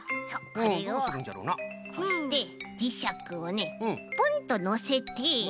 これをこうしてじしゃくをねポンとのせて。